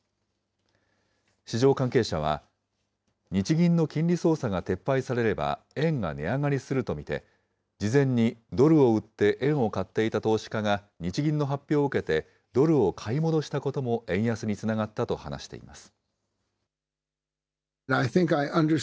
市場関係者は、日銀の金利操作が撤廃されれば、円が値上がりすると見て、事前にドルを売って円を買っていた投資家が日銀の発表を受けて、ドルを買い戻したことも円安につながったと話しています。